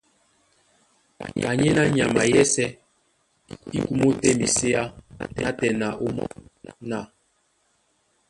Kanyéná nyama yɛ́sɛ̄ í kumó tɛ́ miséá nátɛna ómɔ́ny ná: